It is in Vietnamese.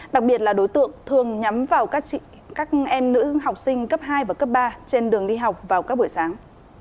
đặc biệt là đối tượng thường nhắm vào các em nữ học sinh cấp hai và cấp ba trên đường đi học vào các buổi sáng